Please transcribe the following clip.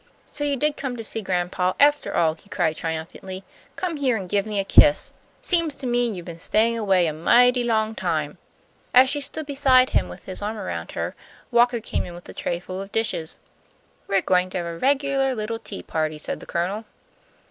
"So you did come to see grandpa after all," he cried, triumphantly. "Come here and give me a kiss. Seems to me you've been staying away a mighty long time." As she stood beside him with his arm around her, Walker came in with a tray full of dishes. "We're going to have a regular little tea party," said the Colonel.